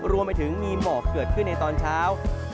รวมไปถึงมีหมอกเกิดขึ้นในตอนเช้า